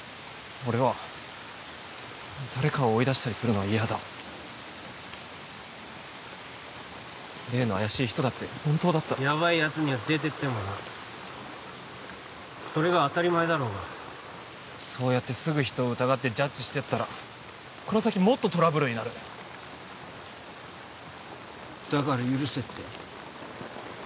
俺は誰かを追い出したりするのは嫌だ例の怪しい人だって本当だったらヤバいやつには出てってもらうそれが当たり前だろうがそうやってすぐ人を疑ってジャッジしてったらこの先もっとトラブルになるだから許せって？